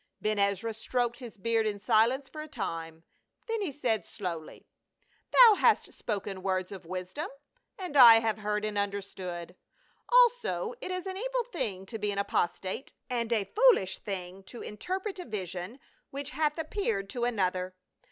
Ben Ezra stroked his beard in silence for a time, then he said slowly, "Thou hast spoken words of wisdom ; and I have heard and understood ; also it is an evil thing to be an apostate, and a foolish thing to interpret a vision which hath appeared to another.